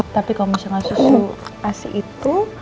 tapi kalau misalnya susu asi itu